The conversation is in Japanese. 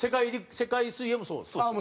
世界水泳もそうですか？